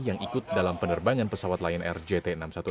yang ikut dalam penerbangan pesawat lion air jt enam ratus sepuluh